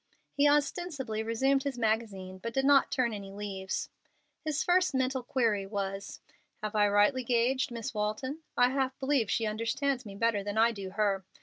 He ostensibly resumed his magazine, but did not turn any leaves. His first mental query was, "Have I rightly gauged Miss Walton? I half believe she understands me better than I do her.